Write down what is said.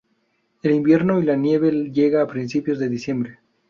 El invierno y la nieve llega a principios de diciembre.